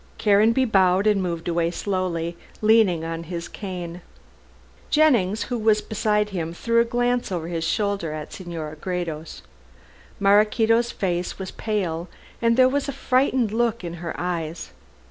Caranby bowed and moved away slowly, leaning on his cane. Jennings, who was beside him, threw a glance over his shoulder at Senora Gredos. Maraquito's face was pale, and there was a frightened look in her eyes.